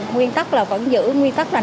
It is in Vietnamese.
nguyên tắc là vẫn giữ nguyên tắc là năm k